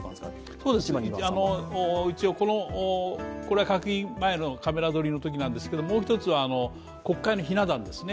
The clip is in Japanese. そうです、一応これは閣議前のカメラ撮りのときなんですけどもう１つは国会のひな壇ですね。